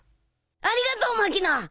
ありがとうマキノ！